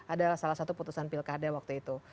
adalah salah satu putusan pilkada waktu itu